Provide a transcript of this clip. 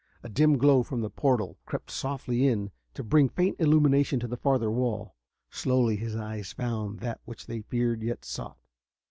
A dim glow from the portal crept softly in to bring faint illumination to the farther wall. Slowly his eyes found that which they feared yet sought.